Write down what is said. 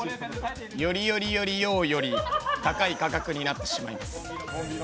よりよりよより高い価格になってしまいます。